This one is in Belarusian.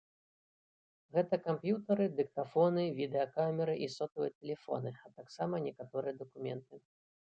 Гэта камп'ютары, дыктафоны, відэакамеры і сотавыя тэлефоны, а таксама некаторыя дакументы.